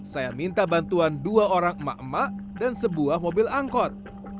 saya minta bantuan dua orang emak emak dan sebuah mobil angkot